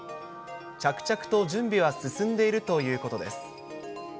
着々と準備は進んでいるということです。